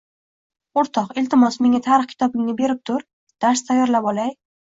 O‘rtoq, iltimos menga tarix kitobingni berib tur, dars tayyorlab olay